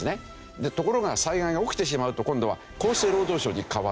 ところが災害が起きてしまうと今度は厚生労働省に変わってしまう。